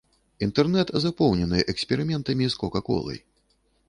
Інтэрнэт запоўнены эксперыментамі з кока-колай.